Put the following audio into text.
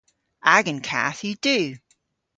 Agan kath yw du.